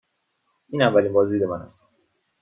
این اولین بازدید من است.